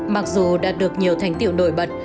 mặc dù đã được nhiều thành tiệu nổi bật